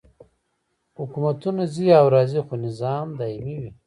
حکومتونه ځي او راځي خو نظام دایمي وي.